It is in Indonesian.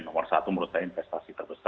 nomor satu menurut saya investasi terbesar